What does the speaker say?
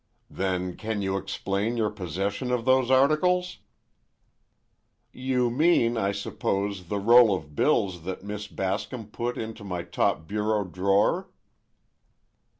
"Then can you explain your possession of those articles?" "You mean, I suppose the roll of bills that Miss Bascom put into my top bureau drawer?"